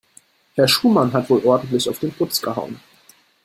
Herr Schumann hat wohl ordentlich auf den Putz gehauen.